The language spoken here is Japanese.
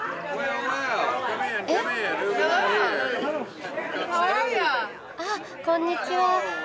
えっ？あっこんにちは。